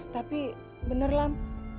tapi bener lam